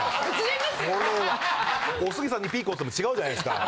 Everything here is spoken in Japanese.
おすぎさんにピーコっていっても違うじゃないですか。